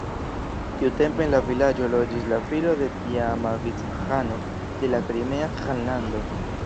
Tiutempe en la vilaĝo loĝis la filo de tiama vic-ĥano de la Krimea Ĥanlando.